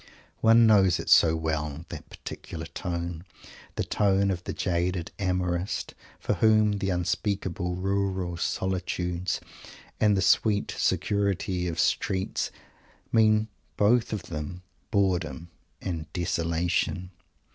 One knows it so well, that particular tone; the tone of the jaded amorist, for whom "the unspeakable rural solitudes" and "the sweet security of streets" mean, both of them, boredom and desolation.